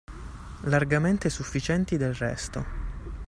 Largamente sufficienti del resto